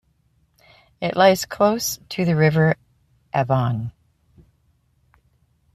It lies close to the River Avon.